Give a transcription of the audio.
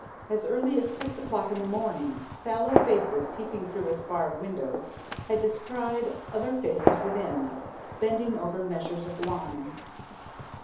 As early as six o'clock in the morning, sallow faces peeping through its barred windows had descried other faces within, bending over measures of wine.